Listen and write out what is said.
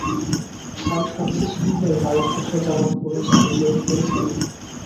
সান Francisco হয়ে ভারতবর্ষে যাবার খরচ আমি জো-র কাছে চাইব।